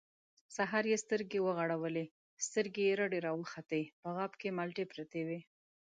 سهار يې سترګې ورغړولې، سترګې يې رډې راوختې، په غاب کې مالټې پرتې وې.